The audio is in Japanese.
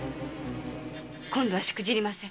今度はしくじりません！